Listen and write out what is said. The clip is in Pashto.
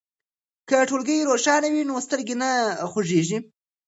که ټولګی روښانه وي نو سترګې نه خوږیږي.